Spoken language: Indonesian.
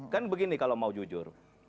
kan begini kalau mau jujur